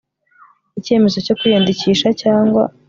icyemezo cyo kwiyandikisha cyangwa